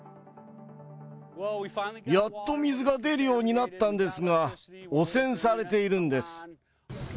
やっと水が出るようになったんですが、汚染されているんです。